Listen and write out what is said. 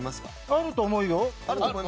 あると思うよ。